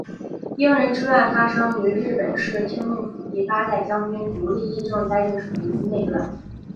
应仁之乱发生于日本室町幕府第八代将军足利义政在任时的一次内乱。